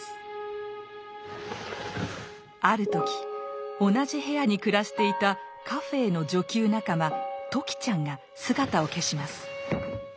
ある時同じ部屋に暮らしていたカフェーの女給仲間時ちゃんが姿を消します。